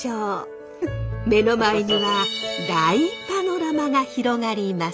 目の前には大パノラマが広がります。